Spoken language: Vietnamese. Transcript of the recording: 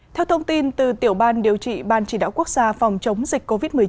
theo thông tin từ tiểu ban điều trị ban chỉ đạo quốc gia phòng chống dịch covid một mươi chín